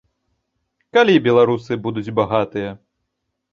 Калі беларусы будуць багатыя?